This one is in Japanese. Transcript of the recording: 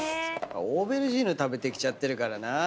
「オーベルジーヌ」食べてきちゃってるからなぁ。